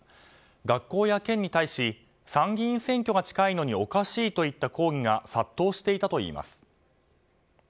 学校や県に対し参議院選挙が近いのにおかしいといった抗議が殺到していたといいます。